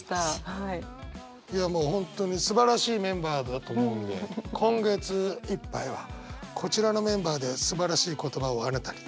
いやもう本当にすばらしいメンバーだと思うので今月いっぱいはこちらのメンバーですばらしい言葉をあなたにｔｏｙｏｕ。